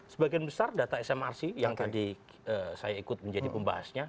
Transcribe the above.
sebagian besar data smrc yang tadi saya ikut menjadi pembahasnya